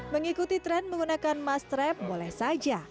mengikuti tren menggunakan mas trap boleh saja